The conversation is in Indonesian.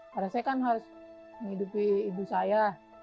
karena saya kan harus menghidupi ibu saya